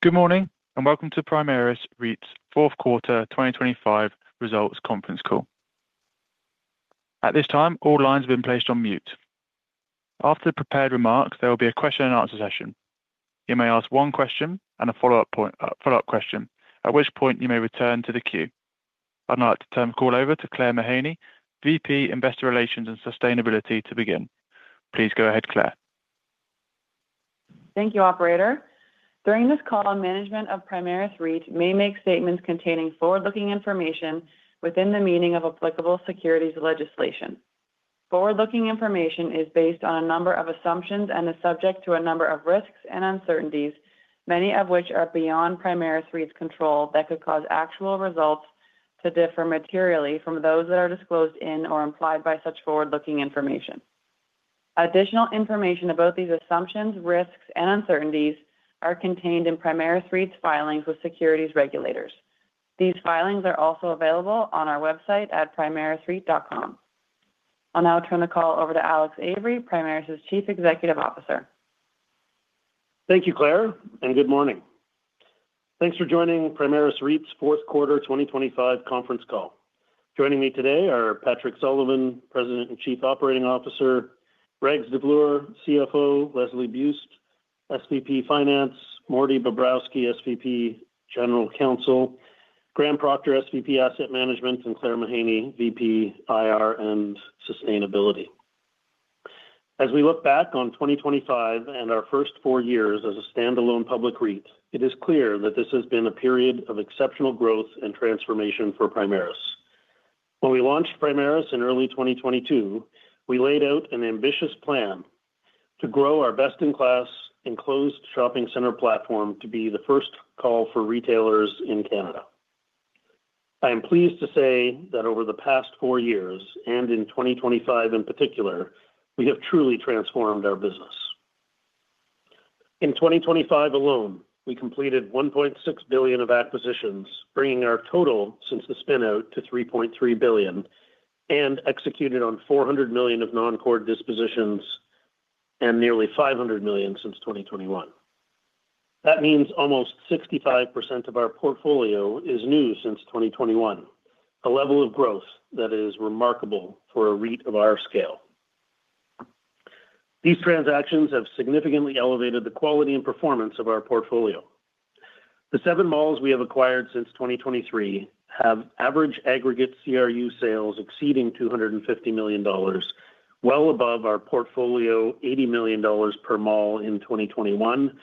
Good morning, and welcome to Primaris REIT's fourth quarter 2025 results conference call. At this time, all lines have been placed on mute. After the prepared remarks, there will be a question and answer session. You may ask one question and a follow-up point, follow-up question, at which point you may return to the queue. I'd like to turn the call over to Claire Mahaney, VP, Investor Relations and Sustainability, to begin. Please go ahead, Claire. Thank you, operator. During this call, management of Primaris REIT may make statements containing forward-looking information within the meaning of applicable securities legislation. Forward-looking information is based on a number of assumptions and is subject to a number of risks and uncertainties, many of which are beyond Primaris REIT's control, that could cause actual results to differ materially from those that are disclosed in or implied by such forward-looking information. Additional information about these assumptions, risks, and uncertainties are contained in Primaris REIT's filings with securities regulators. These filings are also available on our website at primarisreit.com. I'll now turn the call over to Alex Avery, Primaris' Chief Executive Officer. Thank you, Claire, and good morning. Thanks for joining Primaris REIT's fourth quarter 2025 conference call. Joining me today are Patrick Sullivan, President and Chief Operating Officer, Rags Davloor, CFO, Leslie Buist, SVP Finance, Mordy Bobrowsky, SVP General Counsel, Graham Procter, SVP Asset Management, and Claire Mahaney, VP, IR and Sustainability. As we look back on 2025 and our first four years as a standalone public REIT, it is clear that this has been a period of exceptional growth and transformation for Primaris. When we launched Primaris in early 2022, we laid out an ambitious plan to grow our best-in-class enclosed shopping center platform to be the first call for retailers in Canada. I am pleased to say that over the past four years, and in 2025 in particular, we have truly transformed our business. In 2025 alone, we completed 1.6 billion of acquisitions, bringing our total since the spin-out to 3.3 billion, and executed on 400 million of non-core dispositions and nearly 500 million since 2021. That means almost 65% of our portfolio is new since 2021, a level of growth that is remarkable for a REIT of our scale. These transactions have significantly elevated the quality and performance of our portfolio. The seven malls we have acquired since 2023 have average aggregate CRU sales exceeding 250 million dollars, well above our portfolio, 80 million dollars per mall in 2021,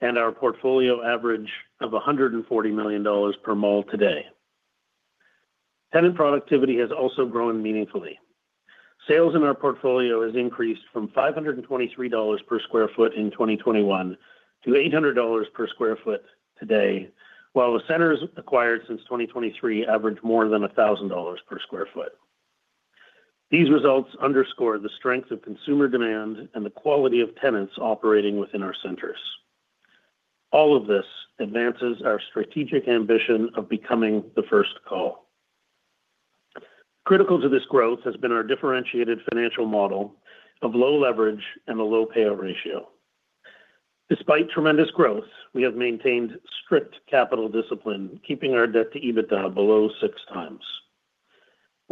and our portfolio average of 140 million dollars per mall today. Tenant productivity has also grown meaningfully. Sales in our portfolio has increased from 523 dollars per sq ft in 2021 to 800 dollars per sq ft today, while the centers acquired since 2023 average more than 1,000 dollars per sq ft. These results underscore the strength of consumer demand and the quality of tenants operating within our centers. All of this advances our strategic ambition of becoming the first call. Critical to this growth has been our differentiated financial model of low leverage and a low payout ratio. Despite tremendous growth, we have maintained strict capital discipline, keeping our debt-to-EBITDA below 6x.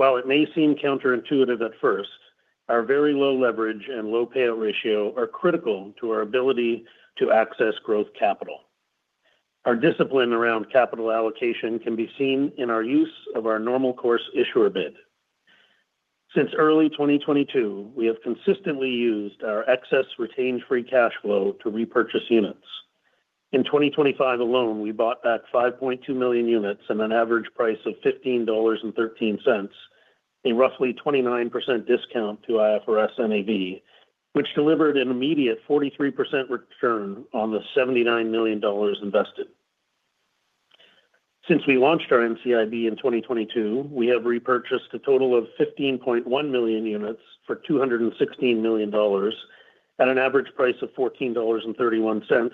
While it may seem counterintuitive at first, our very low leverage and low payout ratio are critical to our ability to access growth capital. Our discipline around capital allocation can be seen in our use of our normal course issuer bid. Since early 2022, we have consistently used our excess retained free cash flow to repurchase units. In 2025 alone, we bought back 5.2 million units at an average price of 15.13 dollars, a roughly 29% discount to IFRS NAV, which delivered an immediate 43% return on the 79 million dollars invested. Since we launched our NCIB in 2022, we have repurchased a total of 15.1 million units for 216 million dollars at an average price of 14.31 dollars,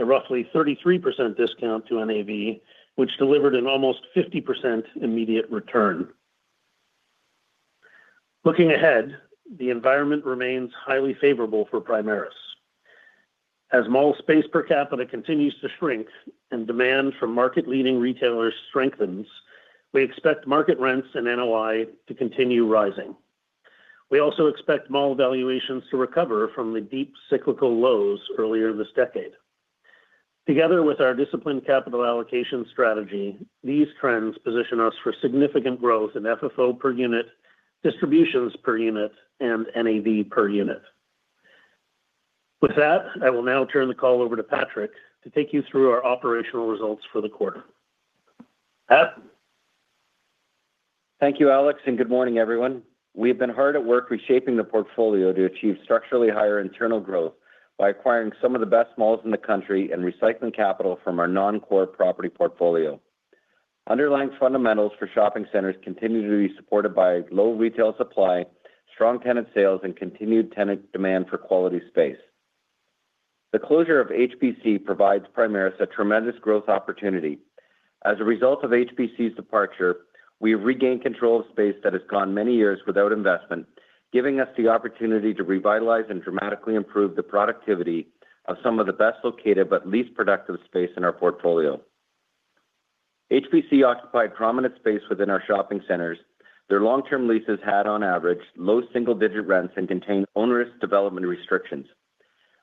a roughly 33% discount to NAV, which delivered an almost 50% immediate return. Looking ahead, the environment remains highly favorable for Primaris. As mall space per capita continues to shrink and demand from market-leading retailers strengthens, we expect market rents and NOI to continue rising. We also expect mall valuations to recover from the deep cyclical lows earlier this decade. Together with our disciplined capital allocation strategy, these trends position us for significant growth in FFO per unit, distributions per unit, and NAV per unit. With that, I will now turn the call over to Patrick to take you through our operational results for the quarter. Pat? Thank you, Alex, and good morning, everyone. We have been hard at work reshaping the portfolio to achieve structurally higher internal growth by acquiring some of the best malls in the country and recycling capital from our non-core property portfolio. Underlying fundamentals for shopping centers continue to be supported by low retail supply, strong tenant sales, and continued tenant demand for quality space. The closure of HBC provides Primaris a tremendous growth opportunity.... As a result of HBC's departure, we have regained control of space that has gone many years without investment, giving us the opportunity to revitalize and dramatically improve the productivity of some of the best located but least productive space in our portfolio. HBC occupied prominent space within our shopping centers. Their long-term leases had, on average, low single-digit rents and contained onerous development restrictions.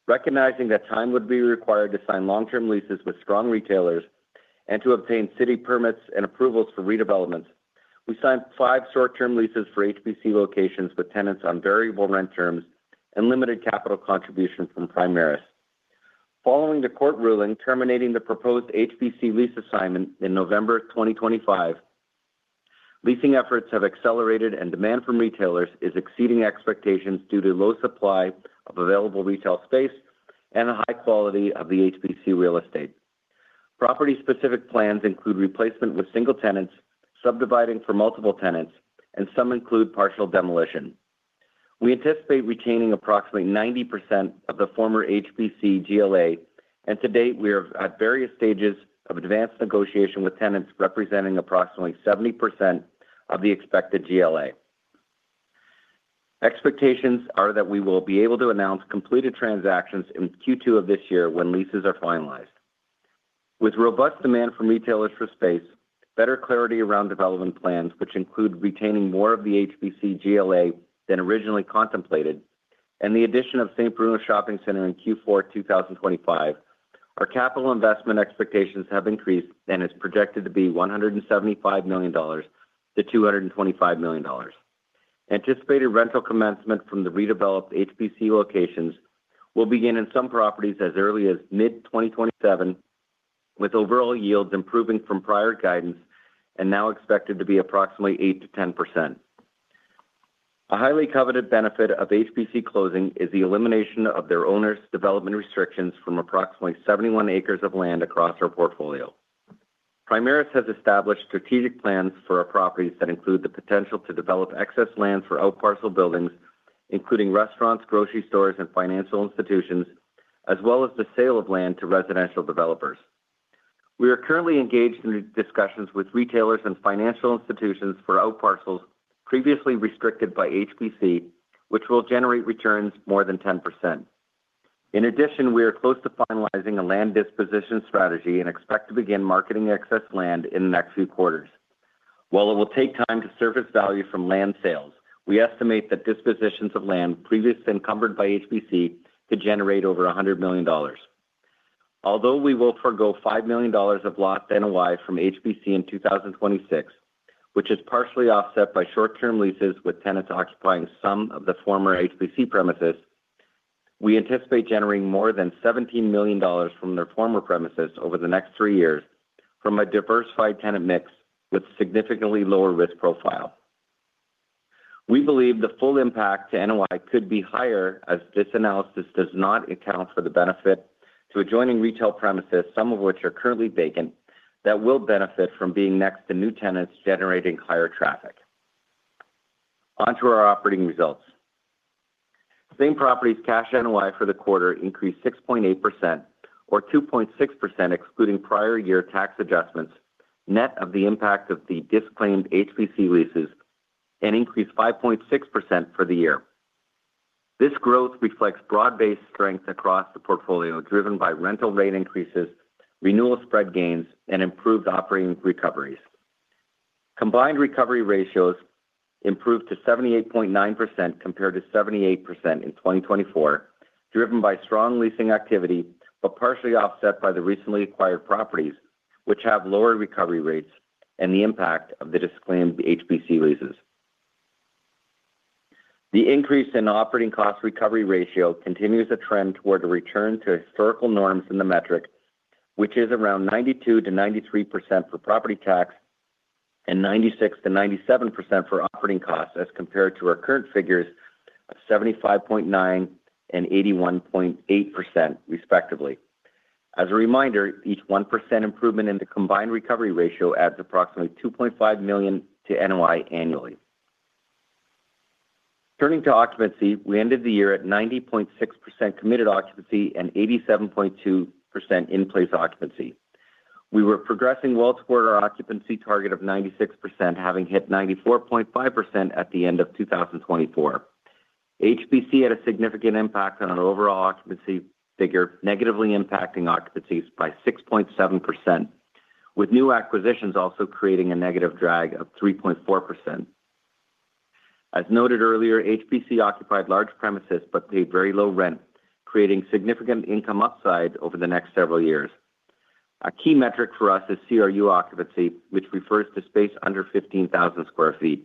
Recognizing that time would be required to sign long-term leases with strong retailers and to obtain city permits and approvals for redevelopments, we signed five short-term leases for HBC locations with tenants on variable rent terms and limited capital contribution from Primaris. Following the court ruling, terminating the proposed HBC lease assignment in November 2025, leasing efforts have accelerated and demand from retailers is exceeding expectations due to low supply of available retail space and the high quality of the HBC real estate. Property-specific plans include replacement with single tenants, subdividing for multiple tenants, and some include partial demolition. We anticipate retaining approximately 90% of the former HBC GLA, and to date, we are at various stages of advanced negotiation with tenants representing approximately 70% of the expected GLA. Expectations are that we will be able to announce completed transactions in Q2 of this year when leases are finalized. With robust demand from retailers for space, better clarity around development plans, which include retaining more of the HBC GLA than originally contemplated, and the addition of St. Bruno Shopping Centre in Q4 2025, our capital investment expectations have increased and is projected to be 175 million-225 million dollars. Anticipated rental commencement from the redeveloped HBC locations will begin in some properties as early as mid-2027, with overall yields improving from prior guidance and now expected to be approximately 8%-10%. A highly coveted benefit of HBC closing is the elimination of their owners' development restrictions from approximately 71 acres of land across our portfolio. Primaris has established strategic plans for our properties that include the potential to develop excess land for outparcel buildings, including restaurants, grocery stores, and financial institutions, as well as the sale of land to residential developers. We are currently engaged in discussions with retailers and financial institutions for outparcels previously restricted by HBC, which will generate returns more than 10%. In addition, we are close to finalizing a land disposition strategy and expect to begin marketing excess land in the next few quarters. While it will take time to surface value from land sales, we estimate that dispositions of land previously encumbered by HBC could generate over 100 million dollars. Although we will forego 5 million dollars of locked NOI from HBC in 2026, which is partially offset by short-term leases, with tenants occupying some of the former HBC premises, we anticipate generating more than 17 million dollars from their former premises over the next three years from a diversified tenant mix with significantly lower risk profile. We believe the full impact to NOI could be higher, as this analysis does not account for the benefit to adjoining retail premises, some of which are currently vacant, that will benefit from being next to new tenants, generating higher traffic. On to our operating results. Same properties cash NOI for the quarter increased 6.8% or 2.6%, excluding prior year tax adjustments, net of the impact of the disclaimed HBC leases and increased 5.6% for the year. This growth reflects broad-based strength across the portfolio, driven by rental rate increases, renewal spread gains, and improved operating recoveries. Combined recovery ratios improved to 78.9%, compared to 78% in 2024, driven by strong leasing activity, but partially offset by the recently acquired properties, which have lower recovery rates and the impact of the disclaimed HBC leases. The increase in operating cost recovery ratio continues a trend toward a return to historical norms in the metric, which is around 92%-93% for property tax and 96%-97% for operating costs, as compared to our current figures of 75.9% and 81.8%, respectively. As a reminder, each 1% improvement in the combined recovery ratio adds approximately 2.5 million to NOI annually. Turning to occupancy, we ended the year at 90.6% committed occupancy and 87.2% in-place occupancy. We were progressing well toward our occupancy target of 96%, having hit 94.5% at the end of 2024. HBC had a significant impact on our overall occupancy figure, negatively impacting occupancies by 6.7%, with new acquisitions also creating a negative drag of 3.4%. As noted earlier, HBC occupied large premises but paid very low rent, creating significant income upside over the next several years. A key metric for us is CRU occupancy, which refers to space under 15,000 sq ft.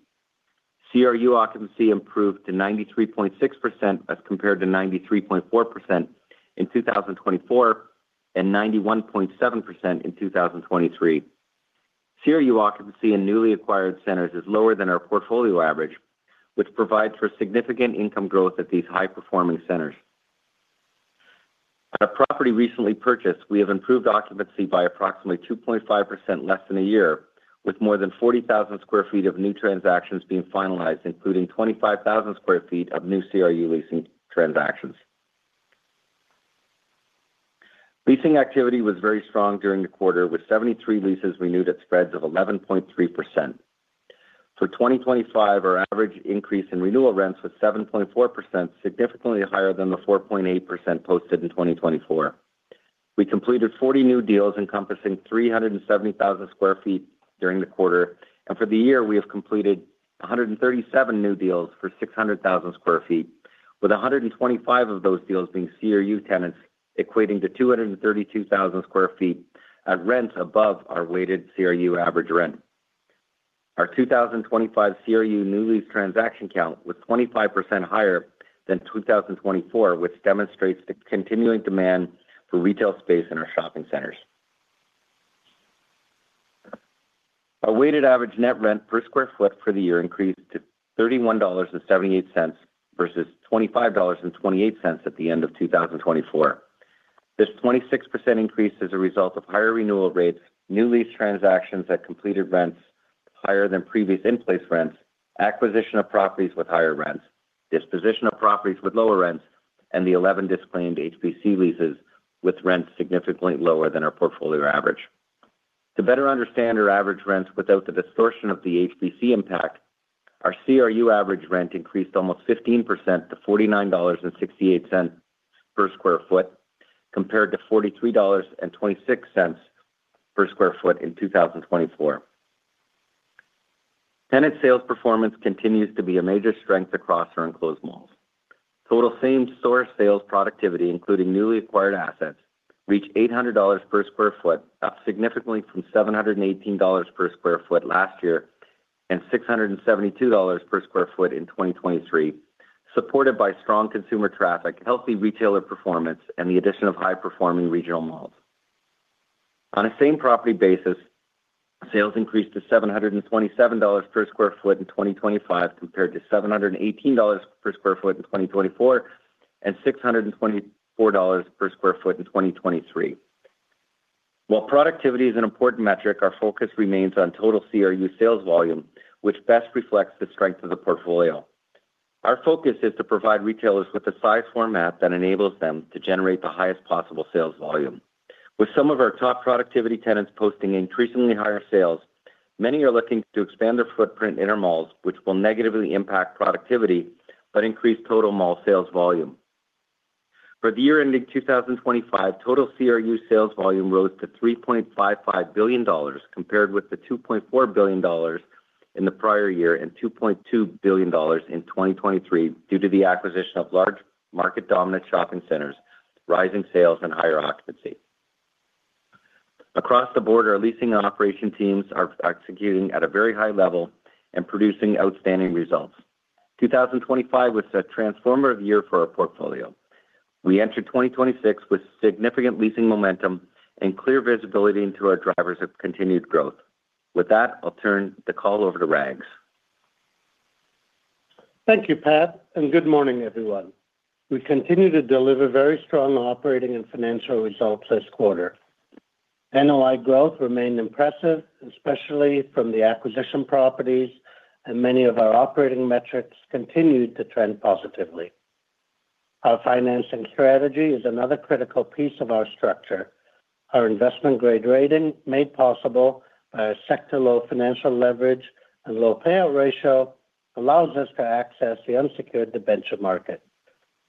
CRU occupancy improved to 93.6%, as compared to 93.4% in 2024 and 91.7% in 2023. CRU occupancy in newly acquired centers is lower than our portfolio average, which provides for significant income growth at these high-performing centers. At a property recently purchased, we have improved occupancy by approximately 2.5% in less than a year, with more than 40,000 sq ft of new transactions being finalized, including 25,000 sq ft of new CRU leasing transactions. Leasing activity was very strong during the quarter, with 73 leases renewed at spreads of 11.3%. For 2025, our average increase in renewal rents was 7.4%, significantly higher than the 4.8% posted in 2024. We completed 40 new deals encompassing 370,000 sq ft during the quarter, and for the year, we have completed 137 new deals for 600,000 sq ft, with 125 of those deals being CRU tenants, equating to 232,000 sq ft at rent above our weighted CRU average rent. Our 2025 CRU new lease transaction count was 25% higher than 2024, which demonstrates the continuing demand for retail space in our shopping centers. Our weighted average net rent per sq ft for the year increased to 31.78 dollars, versus 25.28 dollars at the end of 2024. This 26% increase is a result of higher renewal rates, new lease transactions at completed rents higher than previous in-place rents, acquisition of properties with higher rents, disposition of properties with lower rents, and the 11 disclaimed HBC leases with rents significantly lower than our portfolio average. To better understand our average rents without the distortion of the HBC impact, our CRU average rent increased almost 15% to 49.68 dollars per sq ft, compared to 43.26 dollars per sq ft in 2024. Tenant sales performance continues to be a major strength across our enclosed malls. Total same store sales productivity, including newly acquired assets, reached 800 dollars per sq ft, up significantly from 718 dollars per sq ft last year, and 672 dollars per sq ft in 2023, supported by strong consumer traffic, healthy retailer performance, and the addition of high-performing regional malls. On a same property basis, sales increased to 727 dollars per sq ft in 2025, compared to 718 dollars per sq ft in 2024, and 624 dollars per sq ft in 2023. While productivity is an important metric, our focus remains on total CRU sales volume, which best reflects the strength of the portfolio. Our focus is to provide retailers with a size format that enables them to generate the highest possible sales volume. With some of our top productivity tenants posting increasingly higher sales, many are looking to expand their footprint in our malls, which will negatively impact productivity but increase total mall sales volume. For the year ending 2025, total CRU sales volume rose to 3.55 billion dollars, compared with the 2.4 billion dollars in the prior year and 2.2 billion dollars in 2023, due to the acquisition of large market dominant shopping centers, rising sales and higher occupancy. Across the board, our leasing and operation teams are executing at a very high level and producing outstanding results. 2025 was a transformative year for our portfolio. We entered 2026 with significant leasing momentum and clear visibility into our drivers of continued growth. With that, I'll turn the call over to Rags. Thank you, Pat, and good morning, everyone. We continue to deliver very strong operating and financial results this quarter. NOI growth remained impressive, especially from the acquisition properties, and many of our operating metrics continued to trend positively. Our financing strategy is another critical piece of our structure. Our investment-grade rating, made possible by our sector low financial leverage and low payout ratio, allows us to access the unsecured debenture market.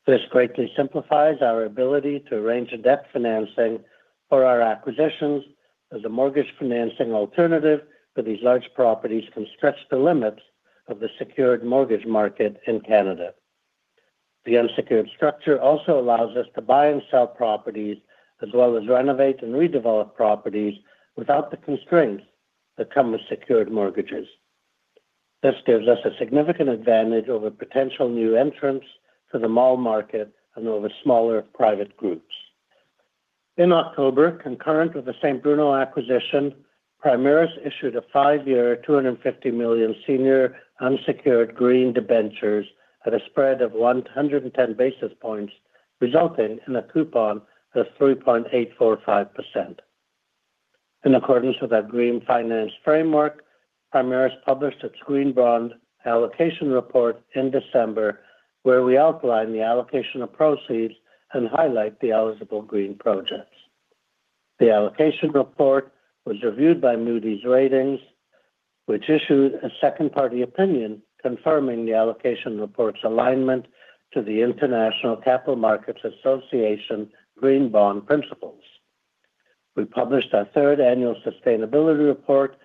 This greatly simplifies our ability to arrange a debt financing for our acquisitions, as a mortgage financing alternative for these large properties can stretch the limits of the secured mortgage market in Canada. The unsecured structure also allows us to buy and sell properties, as well as renovate and redevelop properties without the constraints that come with secured mortgages. This gives us a significant advantage over potential new entrants to the mall market and over smaller private groups. In October, concurrent with the St. Bruno acquisition, Primaris issued a five-year, 250 million senior unsecured green debentures at a spread of 110 basis points, resulting in a coupon of 3.845%. In accordance with our Green Finance Framework, Primaris published its Green Bond Allocation report in December, where we outline the allocation of proceeds and highlight the eligible green projects. The allocation report was reviewed by Moody's Ratings, which issued a second party opinion, confirming the allocation report's alignment to the International Capital Markets Association Green Bond Principles. We published our third annual sustainability report,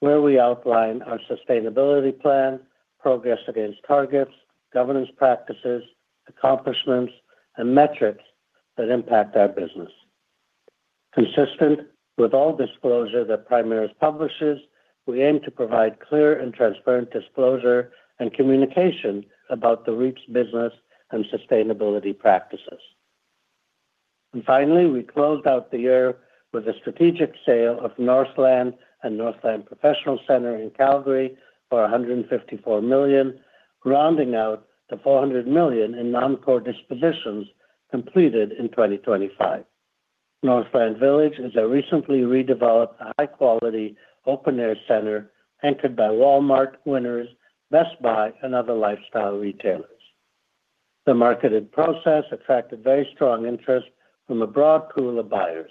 where we outline our sustainability plan, progress against targets, governance practices, accomplishments, and metrics that impact our business. Consistent with all disclosure that Primaris publishes, we aim to provide clear and transparent disclosure and communication about the REIT's business and sustainability practices. Finally, we closed out the year with a strategic sale of Northland and Northland Professional Centre in Calgary for 154 million, rounding out to 400 million in non-core dispositions completed in 2025. Northland Village is a recently redeveloped, high-quality, open-air center anchored by Walmart, Winners, Best Buy, and other lifestyle retailers. The marketed process attracted very strong interest from a broad pool of buyers.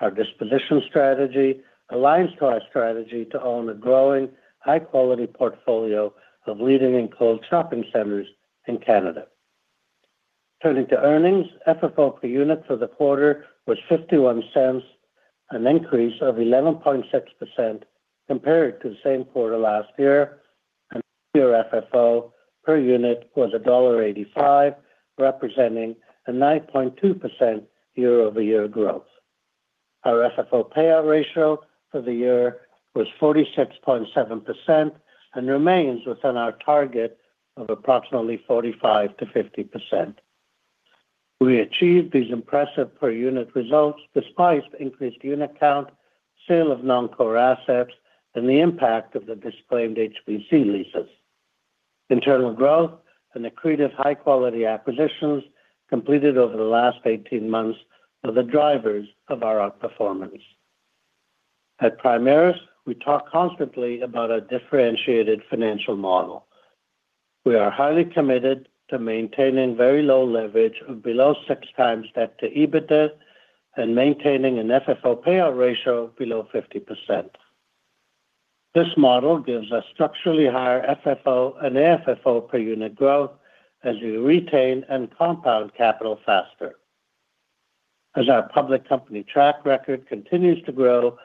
Our disposition strategy aligns to our strategy to own a growing, high-quality portfolio of leading enclosed shopping centers in Canada. Turning to earnings, FFO per unit for the quarter was 0.51, an increase of 11.6% compared to the same quarter last year, and year FFO per unit was dollar 1.85, representing a 9.2% year-over-year growth. Our FFO payout ratio for the year was 46.7% and remains within our target of approximately 45%-50%. We achieved these impressive per unit results despite increased unit count, sale of non-core assets, and the impact of the disclaimed HBC leases. Internal growth and accreted high-quality acquisitions completed over the last 18 months were the drivers of our outperformance. At Primaris, we talk constantly about a differentiated financial model. We are highly committed to maintaining very low leverage of below 6x debt to EBITDA and maintaining an FFO payout ratio below 50%. This model gives us structurally higher FFO and AFFO per unit growth as we retain and compound capital faster. As our public company track record continues to grow,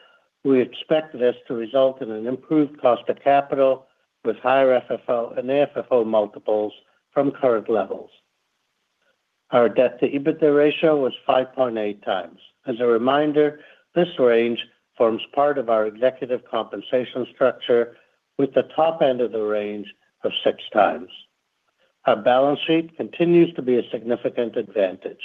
we expect this to result in an improved cost of capital with higher FFO and AFFO multiples from current levels. Our debt-to-EBITDA ratio was 5.8x. As a reminder, this range forms part of our executive compensation structure with the top end of the range of 6x. Our balance sheet continues to be a significant advantage.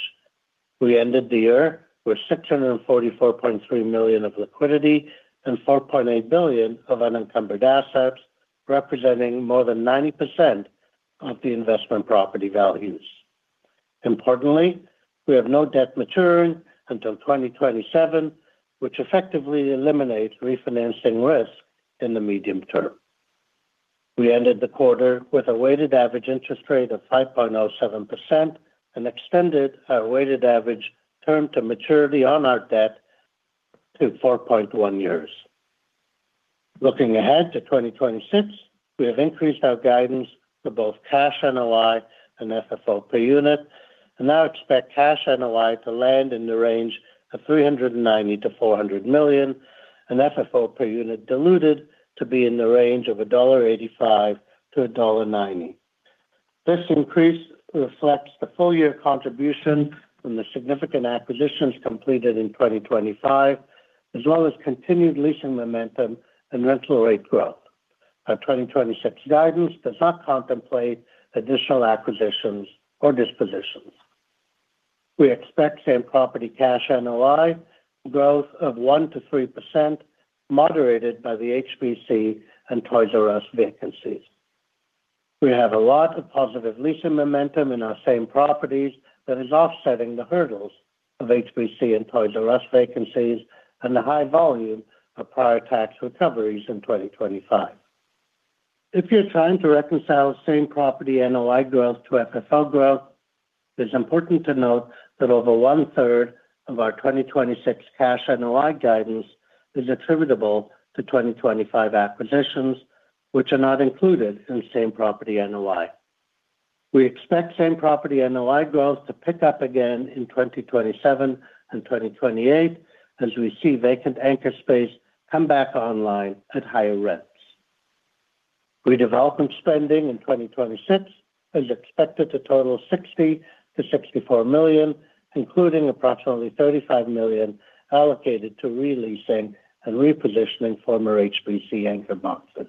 We ended the year with 644.3 million of liquidity and 4.8 billion of unencumbered assets, representing more than 90% of the investment property values. Importantly, we have no debt maturing until 2027, which effectively eliminates refinancing risk in the medium term. We ended the quarter with a weighted average interest rate of 5.07% and extended our weighted average term to maturity on our debt to 4.1 years. Looking ahead to 2026, we have increased our guidance for both cash NOI and FFO per unit, and now expect cash NOI to land in the range of 390 million-400 million, and FFO per unit diluted to be in the range of 1.85-1.90 dollar. This increase reflects the full year contribution from the significant acquisitions completed in 2025, as well as continued leasing momentum and rental rate growth. Our 2026 guidance does not contemplate additional acquisitions or dispositions. We expect same-property cash NOI growth of 1%-3%, moderated by the HBC and Toys”R”Us vacancies. We have a lot of positive leasing momentum in our same properties that is offsetting the hurdles of HBC and Toys”R”Us vacancies and the high volume of prior tax recoveries in 2025. If you're trying to reconcile same-property NOI growth to FFO growth, it's important to note that over one-third of our 2026 cash NOI guidance is attributable to 2025 acquisitions, which are not included in same-property NOI. We expect same-property NOI growth to pick up again in 2027 and 2028 as we see vacant anchor space come back online at higher rents. Redevelopment spending in 2026 is expected to total 60-64 million, including approximately 35 million allocated to re-leasing and repositioning former HBC anchor boxes.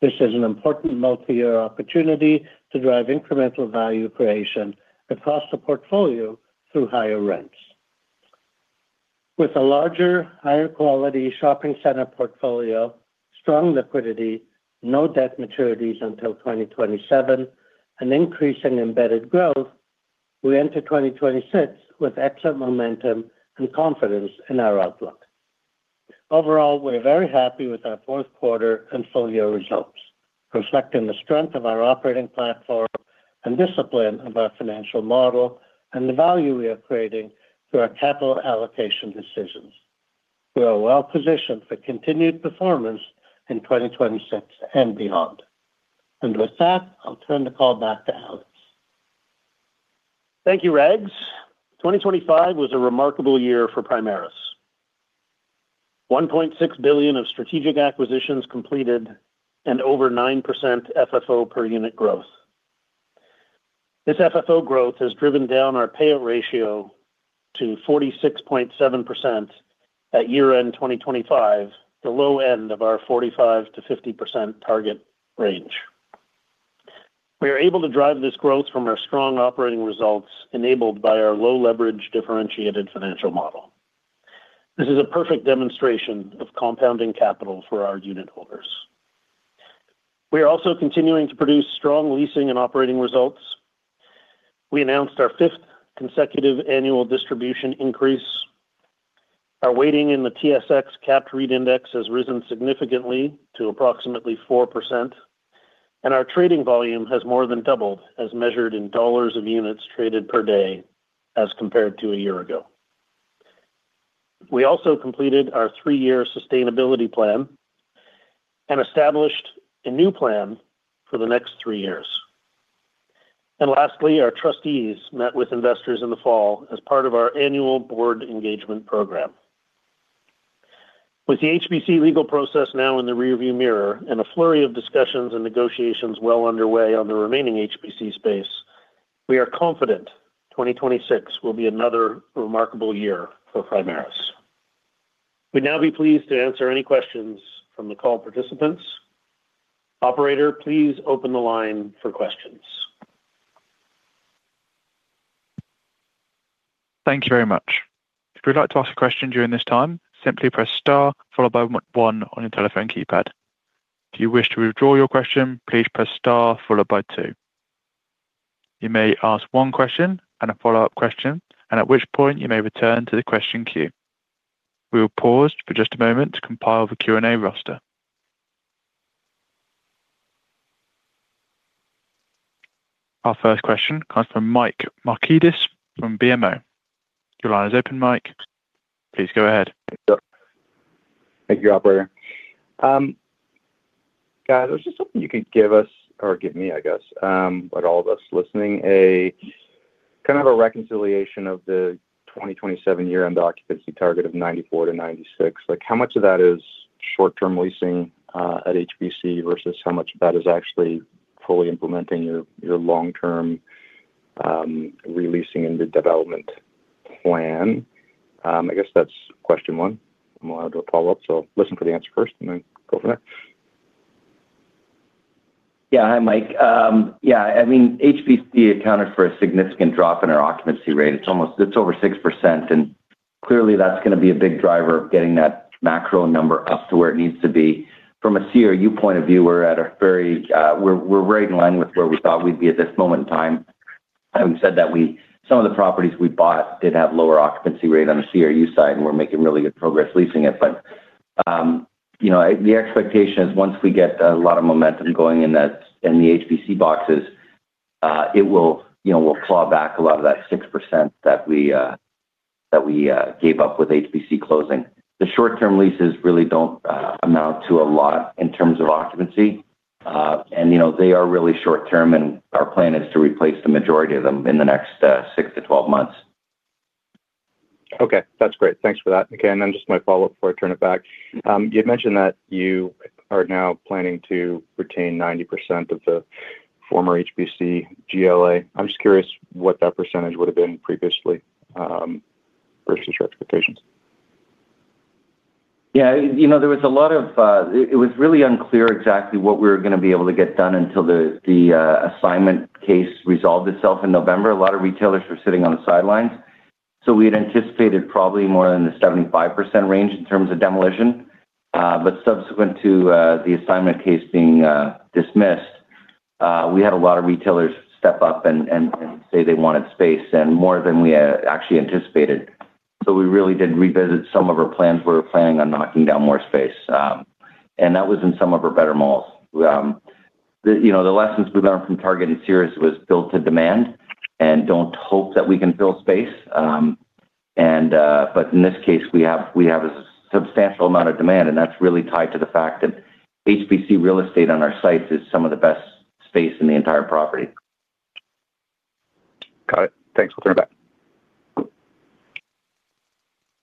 This is an important multi-year opportunity to drive incremental value creation across the portfolio through higher rents. With a larger, higher quality shopping center portfolio, strong liquidity, no debt maturities until 2027, an increase in embedded growth, we enter 2026 with excellent momentum and confidence in our outlook. Overall, we're very happy with our fourth quarter and full year results, reflecting the strength of our operating platform and discipline of our financial model and the value we are creating through our capital allocation decisions. We are well positioned for continued performance in 2026 and beyond. With that, I'll turn the call back to Alex. Thank you, Rags. 2025 was a remarkable year for Primaris. 1.6 billion of strategic acquisitions completed and over 9% FFO per unit growth. This FFO growth has driven down our payout ratio to 46.7% at year-end 2025, the low end of our 45%-50% target range. We are able to drive this growth from our strong operating results, enabled by our low leverage, differentiated financial model. This is a perfect demonstration of compounding capital for our unitholders. We are also continuing to produce strong leasing and operating results. We announced our fifth consecutive annual distribution increase. Our weighting in the TSX capped REIT index has risen significantly to approximately 4%, and our trading volume has more than doubled as measured in CAD of units traded per day as compared to a year ago. We also completed our three-year sustainability plan and established a new plan for the next three years. Lastly, our trustees met with investors in the fall as part of our annual board engagement program. With the HBC legal process now in the rearview mirror and a flurry of discussions and negotiations well underway on the remaining HBC space, we are confident 2026 will be another remarkable year for Primaris. We'd now be pleased to answer any questions from the call participants. Operator, please open the line for questions. Thank you very much. If you'd like to ask a question during this time, simply press star followed by one on your telephone keypad. If you wish to withdraw your question, please press star followed by two. You may ask one question and a follow-up question, and at which point you may return to the question queue. We will pause for just a moment to compile the Q&A roster. Our first question comes from Mike Markidis from BMO. Your line is open, Mike. Please go ahead. Thank you, Operator. Guys, there's just something you could give us or give me, I guess, but all of us listening, a kind of a reconciliation of the 2027 year-end occupancy target of 94%-96%. Like, how much of that is short-term leasing at HBC versus how much of that is actually fully implementing your, your long-term re-leasing into development plan? I guess that's question one. I'm allowed to follow up, so listen for the answer first and then go from there. Yeah. Hi, Mike. Yeah, I mean, HBC accounted for a significant drop in our occupancy rate. It's almost. It's over 6%, and clearly, that's gonna be a big driver of getting that macro number up to where it needs to be. From a CRU point of view, we're at a very, we're right in line with where we thought we'd be at this moment in time. And we said that we, some of the properties we bought did have lower occupancy rate on the CRU side, and we're making really good progress leasing it. But, you know, the expectation is once we get a lot of momentum going in that, in the HBC boxes, it will, you know, we'll claw back a lot of that 6% that we gave up with HBC closing. The short-term leases really don't amount to a lot in terms of occupancy. And, you know, they are really short term, and our plan is to replace the majority of them in the next six to 12 months. Okay, that's great. Thanks for that, again. And then just my follow-up before I turn it back. You mentioned that you are now planning to retain 90% of the former HBC GLA. I'm just curious what that percentage would have been previously, versus your expectations. Yeah, you know, there was a lot of... It was really unclear exactly what we were gonna be able to get done until the assignment case resolved itself in November. A lot of retailers were sitting on the sidelines, so we had anticipated probably more than the 75% range in terms of demolition. But subsequent to the assignment case being dismissed, we had a lot of retailers step up and say they wanted space and more than we had actually anticipated. So we really did revisit some of our plans. We were planning on knocking down more space, and that was in some of our better malls. You know, the lessons we learned from Target and Sears was build to demand and don't hope that we can build space. in this case, we have a substantial amount of demand, and that's really tied to the fact that HBC real estate on our sites is some of the best space in the entire property. Got it. Thanks. I'll turn it back.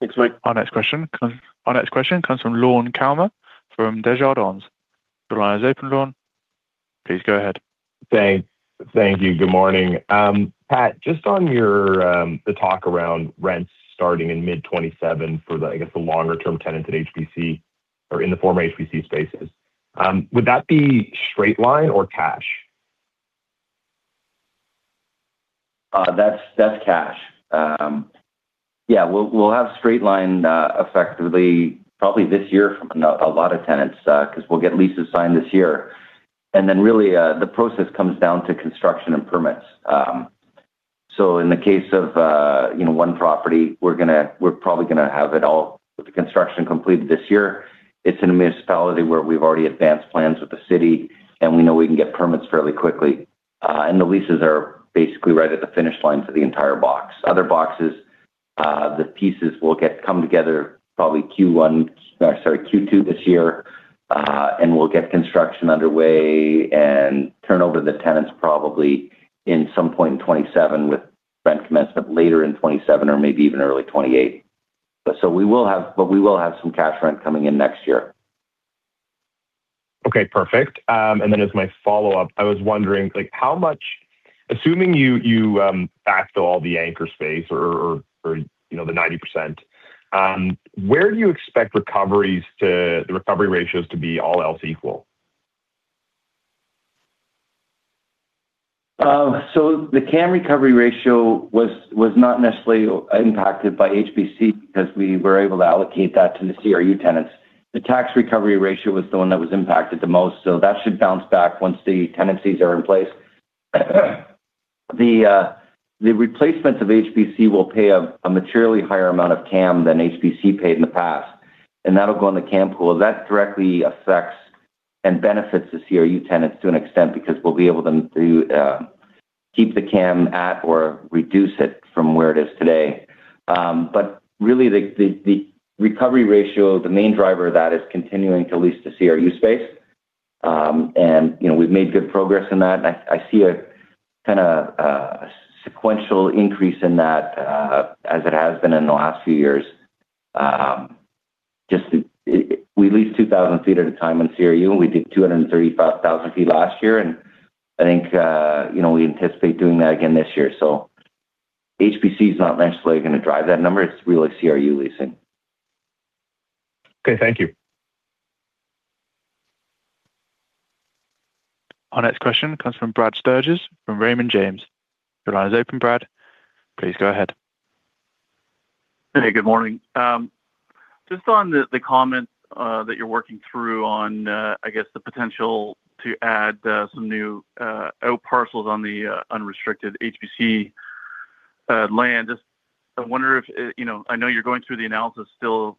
Thanks, Mike. Our next question comes from Lorne Kalmar from Desjardins. Your line is open, Lorne. Please go ahead. Thank you. Good morning. Pat, just on your, the talk around rents starting in mid-2027 for the, I guess, the longer-term tenants at HBC or in the former HBC spaces, would that be straight line or cash? That's cash. Yeah, we'll have straight line, effectively, probably this year from a lot of tenants, because we'll get leases signed this year. And then really, the process comes down to construction and permits. So in the case of, you know, one property, we're probably gonna have it all with the construction completed this year. It's in a municipality where we've already advanced plans with the city, and we know we can get permits fairly quickly. And the leases are basically right at the finish line for the entire box. Other boxes, the pieces will get come together probably Q1, sorry, Q2 this year, and we'll get construction underway and turn over the tenants probably in some point in 2027, with rent commencement later in 2027 or maybe even early 2028. But we will have some cash rent coming in next year. Okay, perfect. And then as my follow-up, I was wondering, like, how much, assuming you backed all the anchor space or, you know, the 90%, where do you expect recoveries to, the recovery ratios to be all else equal?... so the CAM recovery ratio was not necessarily impacted by HBC because we were able to allocate that to the CRU tenants. The tax recovery ratio was the one that was impacted the most, so that should bounce back once the tenancies are in place. The replacements of HBC will pay a materially higher amount of CAM than HBC paid in the past, and that'll go in the CAM pool. That directly affects and benefits the CRU tenants to an extent because we'll be able to keep the CAM at or reduce it from where it is today. But really, the recovery ratio, the main driver of that is continuing to lease the CRU space. You know, we've made good progress in that, and I see a kind of sequential increase in that, as it has been in the last few years. Just, we lease 2,000 ft at a time in CRU, and we did 235,000 ft last year, and I think, you know, we anticipate doing that again this year. So HBC is not necessarily going to drive that number. It's really CRU leasing. Okay, thank you. Our next question comes from Brad Sturges, from Raymond James. Your line is open, Brad. Please go ahead. Hey, good morning. Just on the comments that you're working through on, I guess, the potential to add some new outparcels on the unrestricted HBC land. Just I wonder if, you know, I know you're going through the analysis still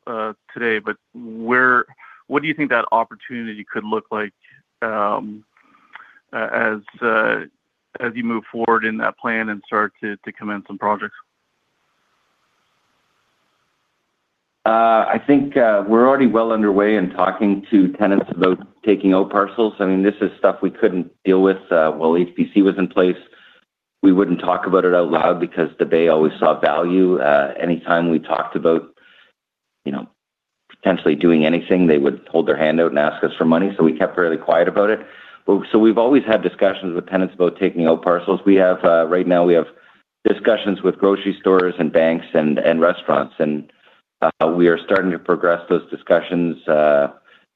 today, but what do you think that opportunity could look like, as you move forward in that plan and start to commence some projects? I think, we're already well underway in talking to tenants about taking outparcels. I mean, this is stuff we couldn't deal with, while HBC was in place. We wouldn't talk about it out loud because the Bay always saw value. Anytime we talked about, you know, potentially doing anything, they would hold their hand out and ask us for money, so we kept fairly quiet about it. But so we've always had discussions with tenants about taking outparcels. We have, right now, we have discussions with grocery stores and banks and, and restaurants, and, we are starting to progress those discussions,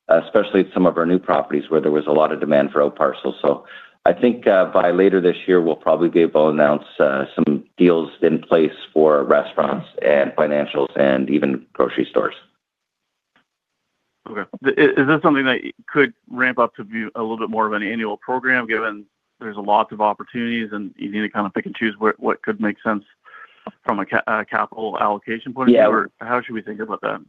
especially at some of our new properties, where there was a lot of demand for outparcels. So I think, by later this year, we'll probably be able to announce some deals in place for restaurants and financials and even grocery stores. Okay. Is this something that could ramp up to be a little bit more of an annual program, given there's lots of opportunities, and you need to kind of pick and choose what could make sense from a capital allocation point of view? Yeah. How should we think about that?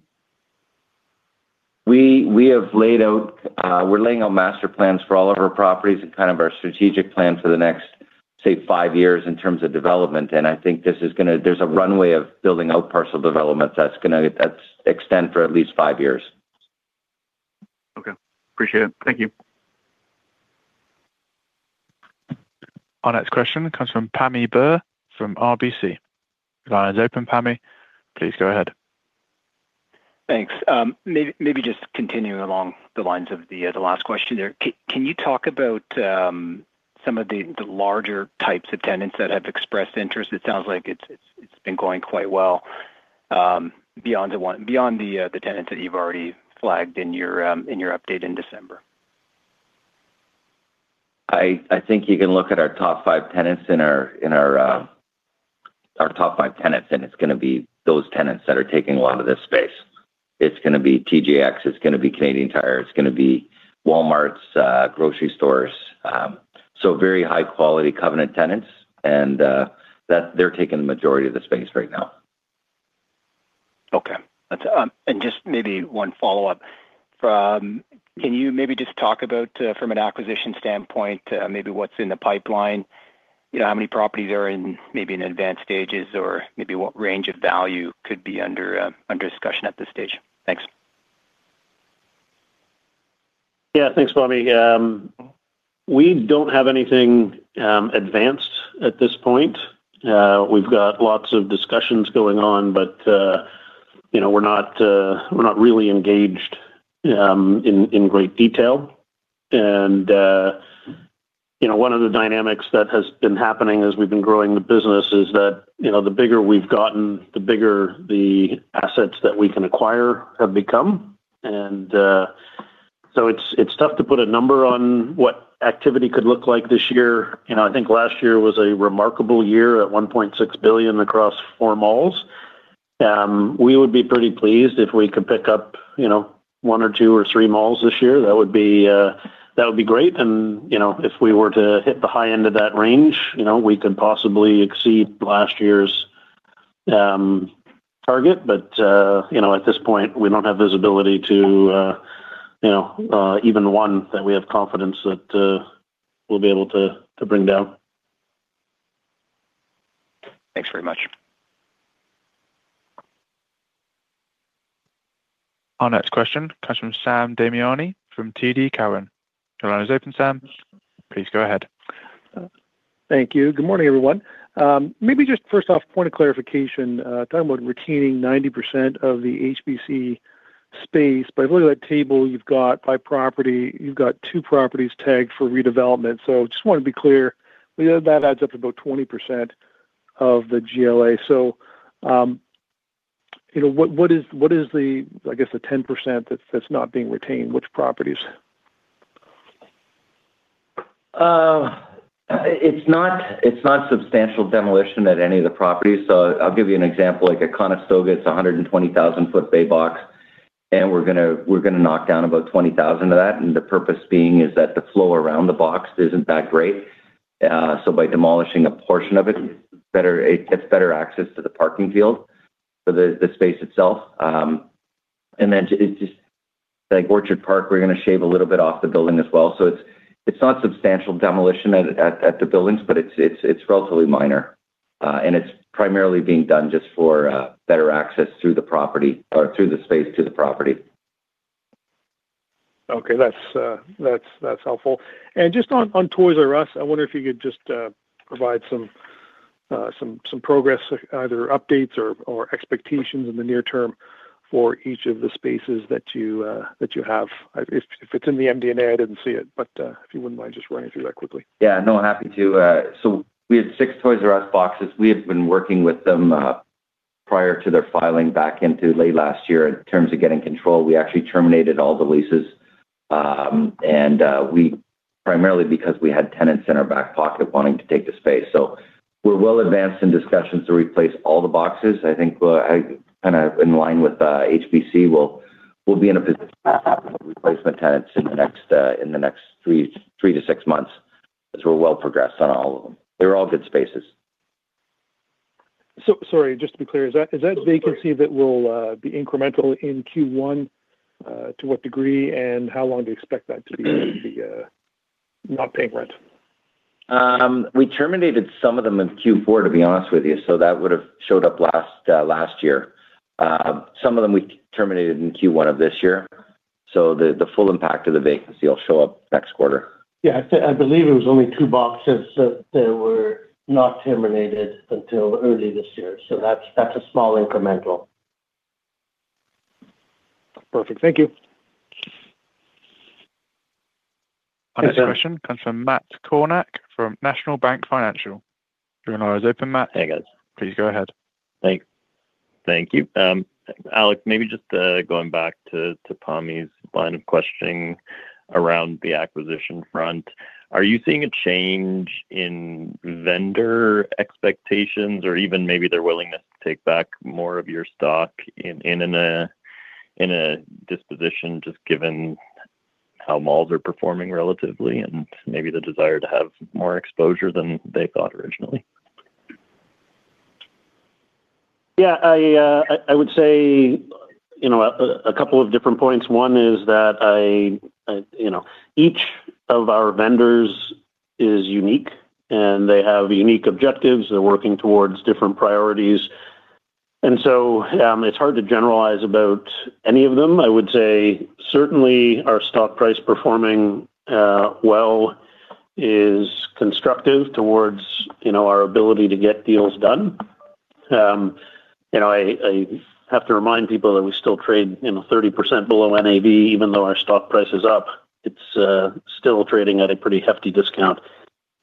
We have laid out, we're laying out master plans for all of our properties and kind of our strategic plan for the next, say, five years in terms of development, and I think this is gonna, there's a runway of building outparcel developments that's gonna extend for at least five years. Okay, appreciate it. Thank you. Our next question comes from Pammi Bir from RBC. Line is open, Pammi. Please go ahead. Thanks. Maybe just continuing along the lines of the last question there. Can you talk about some of the larger types of tenants that have expressed interest? It sounds like it's been going quite well, beyond the tenants that you've already flagged in your update in December. I think you can look at our top five tenants, and it's gonna be those tenants that are taking a lot of this space. It's gonna be TJX, it's gonna be Canadian Tire, it's gonna be Walmarts, grocery stores. So very high-quality covenant tenants, and that they're taking the majority of the space right now. Okay. That's, and just maybe one follow-up. Can you maybe just talk about, from an acquisition standpoint, maybe what's in the pipeline, you know, how many properties are in, maybe in advanced stages, or maybe what range of value could be under, under discussion at this stage? Thanks. Yeah. Thanks, Pammi. We don't have anything advanced at this point. We've got lots of discussions going on, but, you know, we're not really engaged in great detail. And, you know, one of the dynamics that has been happening as we've been growing the business is that, you know, the bigger we've gotten, the bigger the assets that we can acquire have become. And, so it's tough to put a number on what activity could look like this year. You know, I think last year was a remarkable year at 1.6 billion across four malls. We would be pretty pleased if we could pick up, you know, one or two or three malls this year. That would be great. You know, if we were to hit the high end of that range, you know, we could possibly exceed last year's target. But, you know, at this point, we don't have visibility to even one that we have confidence that we'll be able to bring down. Thanks very much. Our next question comes from Sam Damiani from TD Cowen. Your line is open, Sam. Please go ahead. Thank you. Good morning, everyone. Maybe just first off, point of clarification, talking about retaining 90% of the HBC space, but if you look at that table you've got by property, you've got two properties tagged for redevelopment. So just want to be clear, we know that adds up to about 20% of the GLA. You know, what is the, I guess, the 10% that's not being retained? Which properties? It's not substantial demolition at any of the properties. So I'll give you an example, like at Conestoga, it's a 120,000 sq ft Bay box, and we're gonna knock down about 20,000 sq ft of that, and the purpose being is that the flow around the box isn't that great. So by demolishing a portion of it, better, it gets better access to the parking field, so the space itself. And then it's just like Orchard Park, we're gonna shave a little bit off the building as well. So it's not substantial demolition at the buildings, but it's relatively minor, and it's primarily being done just for better access through the property or through the space to the property. Okay. That's helpful. And just on Toys”R”Us, I wonder if you could just provide some progress, either updates or expectations in the near term for each of the spaces that you have. If it's in the MD&A, I didn't see it, but if you wouldn't mind just running through that quickly. Yeah, no, happy to. So we had six Toys”R”Us boxes. We have been working with them prior to their filing back into late last year in terms of getting control. We actually terminated all the leases, and primarily because we had tenants in our back pocket wanting to take the space. So we're well advanced in discussions to replace all the boxes. I think, I, kind of in line with HBC, we'll, we'll be in a position to have replacement tenants in the next, in the next three, three to six months, as we're well progressed on all of them. They're all good spaces. So sorry, just to be clear, is that, is that vacancy that will be incremental in Q1, to what degree and how long do you expect that to be not paying rent? We terminated some of them in Q4, to be honest with you, so that would have showed up last, last year. Some of them we terminated in Q1 of this year, so the full impact of the vacancy will show up next quarter. Yeah, I believe it was only two boxes that were not terminated until early this year, so that's a small incremental. Perfect. Thank you. Our next question comes from Matt Kornack, from National Bank Financial. Your line is open, Matt. Hey, guys. Please, go ahead. Alex, maybe just going back to Pammi's line of questioning around the acquisition front, are you seeing a change in vendor expectations or even maybe their willingness to take back more of your stock in a disposition, just given how malls are performing relatively and maybe the desire to have more exposure than they thought originally? Yeah, I would say, you know, a couple of different points. One is that I, you know, each of our vendors is unique, and they have unique objectives. They're working towards different priorities, and so, it's hard to generalize about any of them. I would say certainly our stock price performing well is constructive towards, you know, our ability to get deals done. You know, I have to remind people that we still trade, you know, 30% below NAV, even though our stock price is up, it's still trading at a pretty hefty discount.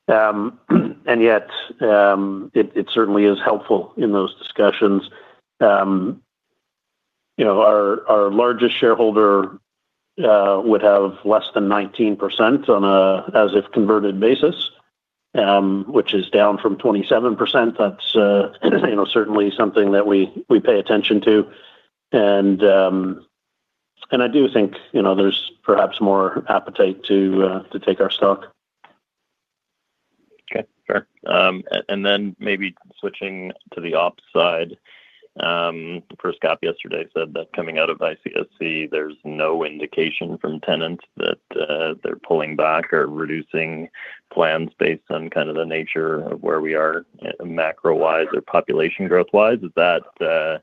And yet, it certainly is helpful in those discussions. You know, our largest shareholder would have less than 19% on a as-if-converted basis, which is down from 27%. That's, you know, certainly something that we, we pay attention to. And, and I do think, you know, there's perhaps more appetite to, to take our stock. Okay, sure. And then maybe switching to the opp side. First Cap yesterday said that coming out of ICSC, there's no indication from tenants that they're pulling back or reducing plans based on kind of the nature of where we are macro-wise or population growth-wise. Is that...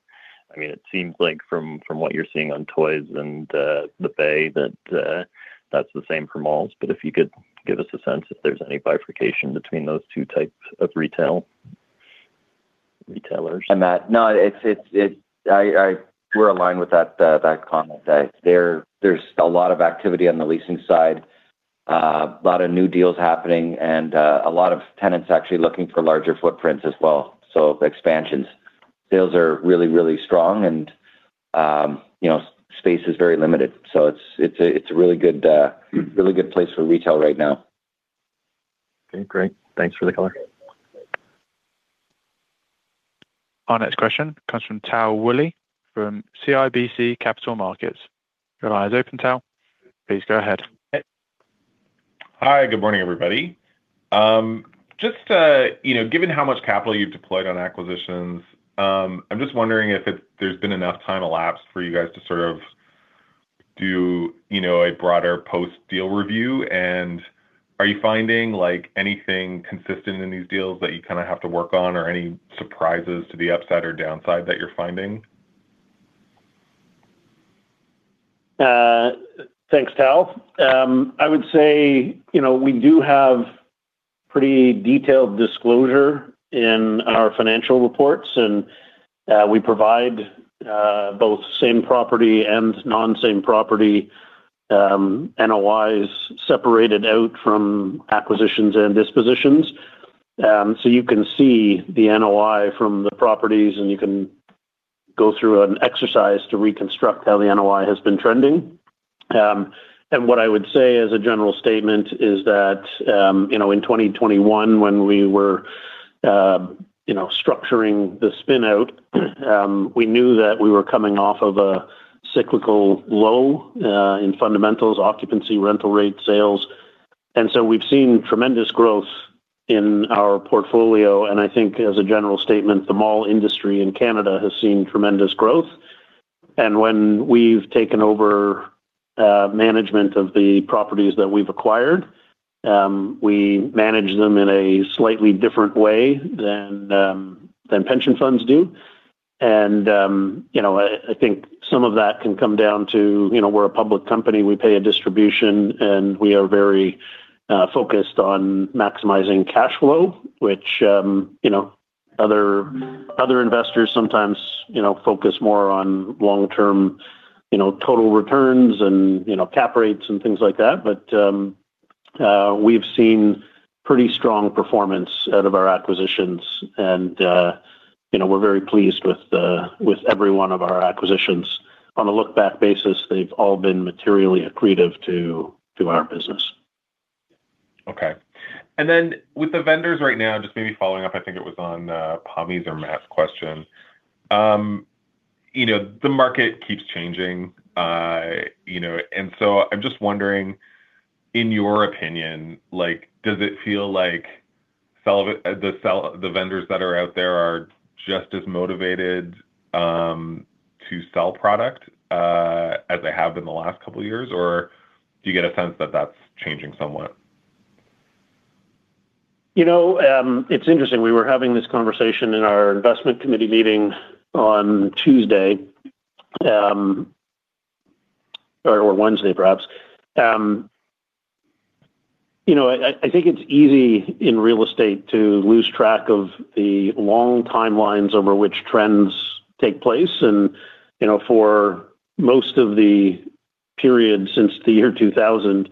I mean, it seems like from what you're seeing on Toys and the Bay, that's the same for malls, but if you could give us a sense if there's any bifurcation between those two types of retail, retailers. We're aligned with that comment that there's a lot of activity on the leasing side, a lot of new deals happening, and a lot of tenants actually looking for larger footprints as well. So expansions. Sales are really, really strong, and you know, space is very limited, so it's a really good place for retail right now. Okay, great. Thanks for the color. Our next question comes from Tal Woolley from CIBC Capital Markets. Your line is open, Tal. Please, go ahead. Hi, good morning, everybody. Just, you know, given how much capital you've deployed on acquisitions, I'm just wondering if it-- there's been enough time elapsed for you guys to sort of do, you know, a broader post-deal review, and are you finding, like, anything consistent in these deals that you kind of have to work on or any surprises to the upside or downside that you're finding? Thanks, Tal. I would say, you know, we do have pretty detailed disclosure in our financial reports, and we provide both same property and non-same property NOIs separated out from acquisitions and dispositions. So you can see the NOI from the properties, and you can go through an exercise to reconstruct how the NOI has been trending. And what I would say as a general statement is that, you know, in 2021, when we were, you know, structuring the spin-out, we knew that we were coming off of a cyclical low in fundamentals, occupancy, rental rate, sales. And so we've seen tremendous growth in our portfolio, and I think as a general statement, the mall industry in Canada has seen tremendous growth. And when we've taken over, management of the properties that we've acquired, we manage them in a slightly different way than, than pension funds do. And, you know, I, I think some of that can come down to, you know, we're a public company, we pay a distribution, and we are very, focused on maximizing cash flow, which, you know, other, other investors sometimes, you know, focus more on long-term, you know, total returns and, you know, cap rates and things like that. But, we've seen pretty strong performance out of our acquisitions, and, you know, we're very pleased with the-- with every one of our acquisitions. On a look-back basis, they've all been materially accretive to, to our business. Okay. And then with the vendors right now, just maybe following up, I think it was on Pammi's or Matt's question. You know, the market keeps changing, you know, and so I'm just wondering, in your opinion, like, does it feel like the vendors that are out there are just as motivated to sell product as they have in the last couple of years? Or do you get a sense that that's changing somewhat? You know, it's interesting. We were having this conversation in our investment committee meeting on Tuesday, or Wednesday, perhaps. You know, I think it's easy in real estate to lose track of the long timelines over which trends take place and, you know, for most of the period since the year 2000,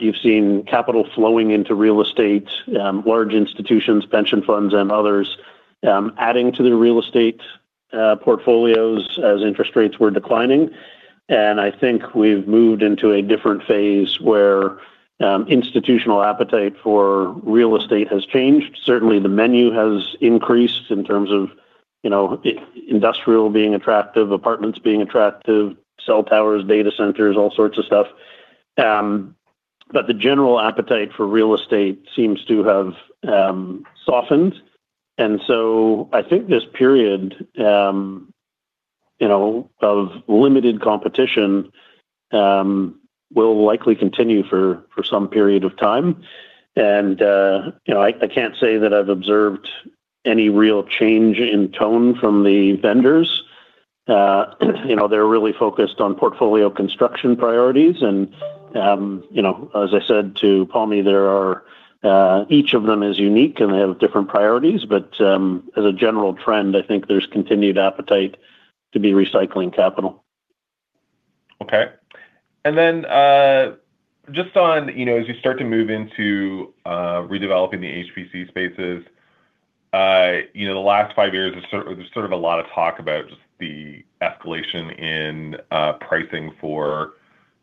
you've seen capital flowing into real estate, large institutions, pension funds, and others, adding to the real estate portfolios as interest rates were declining. And I think we've moved into a different phase where institutional appetite for real estate has changed. Certainly, the menu has increased in terms of, you know, industrial being attractive, apartments being attractive, cell towers, data centers, all sorts of stuff. But the general appetite for real estate seems to have softened, and so I think this period, you know, of limited competition, will likely continue for some period of time. And, you know, I can't say that I've observed any real change in tone from the vendors. You know, they're really focused on portfolio construction priorities, and, you know, as I said to Pammi, there are... Each of them is unique, and they have different priorities, but, as a general trend, I think there's continued appetite to be recycling capital. Okay. And then, just on, you know, as you start to move into redeveloping the HBC spaces, you know, the last five years, there's sort of a lot of talk about just the escalation in pricing for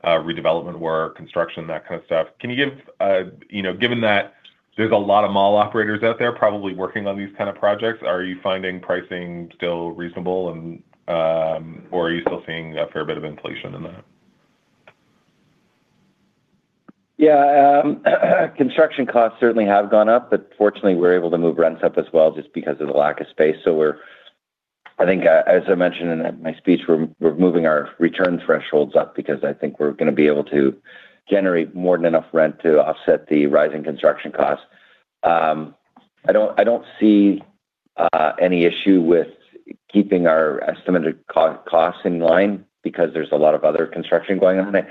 redevelopment work, construction, that kind of stuff. Can you give, you know, given that there's a lot of mall operators out there probably working on these kind of projects, are you finding pricing still reasonable and, or are you still seeing a fair bit of inflation in that? Yeah, construction costs certainly have gone up, but fortunately, we're able to move rents up as well just because of the lack of space. So, I think, as I mentioned in my speech, we're moving our return thresholds up because I think we're gonna be able to generate more than enough rent to offset the rising construction costs. I don't see any issue with keeping our estimated construction costs in line because there's a lot of other construction going on.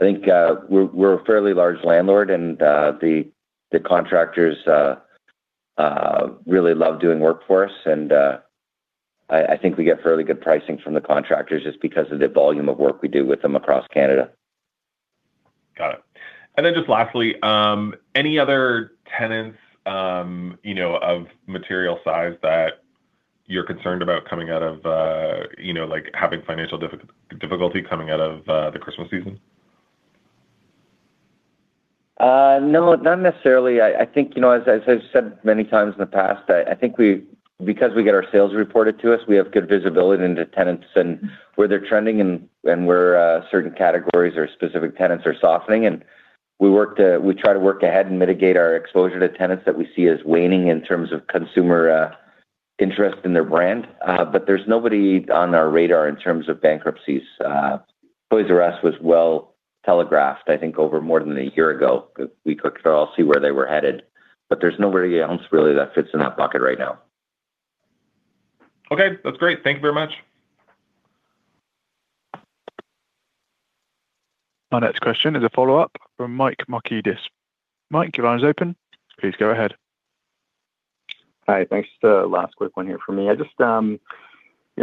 I think we're a fairly large landlord, and the contractors really love doing work for us, and I think we get fairly good pricing from the contractors just because of the volume of work we do with them across Canada. Got it. And then just lastly, any other tenants, you know, of material size that you're concerned about coming out of, you know, like, having financial difficulty coming out of, the Christmas season? No, not necessarily. I think, you know, as I've said many times in the past, I think we, because we get our sales reported to us, we have good visibility into tenants and where they're trending and where certain categories or specific tenants are softening, and we try to work ahead and mitigate our exposure to tenants that we see as waning in terms of consumer interest in their brand. But there's nobody on our radar in terms of bankruptcies. Toys”R”Us was well telegraphed, I think, over more than a year ago. We could all see where they were headed, but there's nobody else really that fits in that bucket right now. Okay, that's great. Thank you very much. Our next question is a follow-up from Mike Markidis. Mike, your line is open. Please go ahead.... Hi, thanks. Just a last quick one here for me.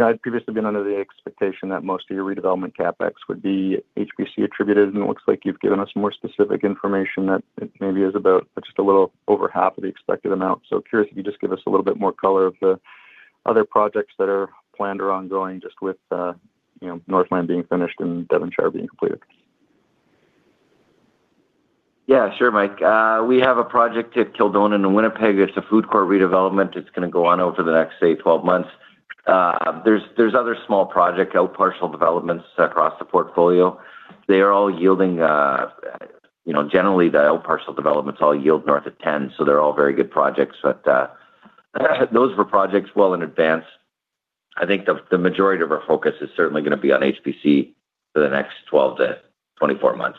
I just, you know, I'd previously been under the expectation that most of your redevelopment CapEx would be HBC attributed, and it looks like you've given us more specific information that it maybe is about just a little over half of the expected amount. So curious if you just give us a little bit more color of the other projects that are planned or ongoing, just with, you know, Northland being finished and Devonshire being completed. Yeah, sure, Mike. We have a project at Kildonan in Winnipeg. It's a food court redevelopment. It's going to go on over the next, say, 12 months. There's other small project, ouparcel developments across the portfolio. They are all yielding, you know, generally, the out parcel developments all yield north of 10, so they're all very good projects. But, those were projects well in advance. I think the majority of our focus is certainly going to be on HBC for the next 12-24 months.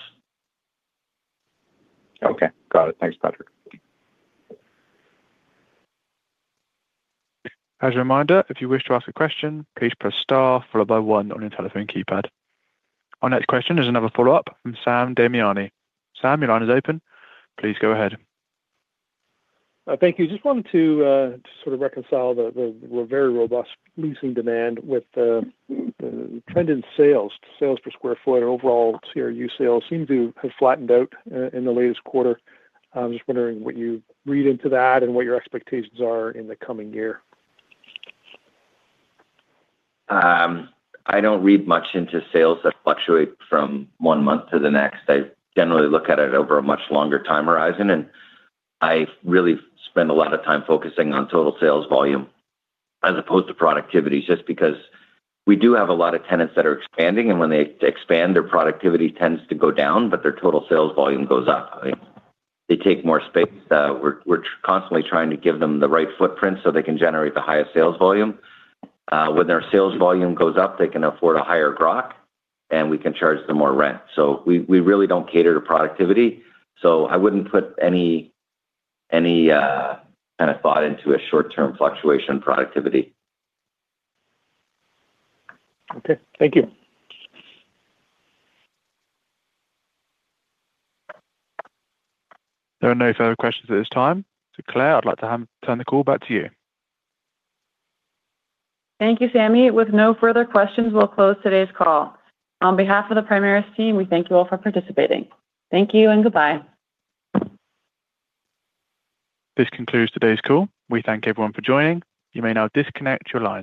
Okay, got it. Thanks, Patrick. As a reminder, if you wish to ask a question, please press star followed by one on your telephone keypad. Our next question is another follow-up from Sam Damiani. Sam, your line is open. Please go ahead. Thank you. Just wanted to sort of reconcile the very robust leasing demand with the trend in sales. Sales per square foot or overall CRU sales seem to have flattened out in the latest quarter. I'm just wondering what you read into that and what your expectations are in the coming year. I don't read much into sales that fluctuate from one month to the next. I generally look at it over a much longer time horizon, and I really spend a lot of time focusing on total sales volume as opposed to productivity. Just because we do have a lot of tenants that are expanding, and when they expand, their productivity tends to go down, but their total sales volume goes up. They take more space. We're, we're constantly trying to give them the right footprint so they can generate the highest sales volume. When their sales volume goes up, they can afford a higher gross, and we can charge them more rent. So we, we really don't cater to productivity, so I wouldn't put any kind of thought into a short-term fluctuation productivity. Okay, thank you. There are no further questions at this time. So, Claire, I'd like to turn the call back to you. Thank you, Sammy. With no further questions, we'll close today's call. On behalf of the Primaris team, we thank you all for participating. Thank you and goodbye. This concludes today's call. We thank everyone for joining. You may now disconnect your lines.